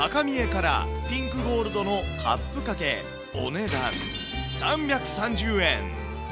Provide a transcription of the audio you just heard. カラー、ピンクゴールドのカップ掛け、お値段３３０円。